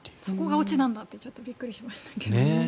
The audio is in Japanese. そこが落ちなんだってびっくりしましたけど。